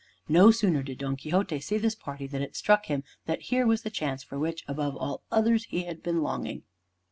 No sooner did Don Quixote see this party than it struck him that here was the chance for which, above all others, he had been longing.